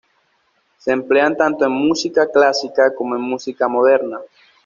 Se emplean tanto en música clásica como en música moderna.